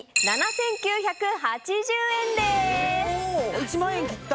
１万円切った。